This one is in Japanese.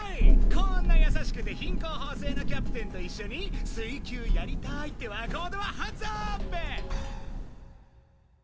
こんな優しくて品行方正なキャプテンと一緒に水球やりたいって若人はハンズアーップ！